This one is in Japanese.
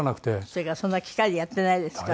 それからそんな機械でやってないですから。